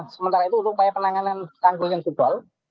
sementara itu untuk penanganan tanggul yang subol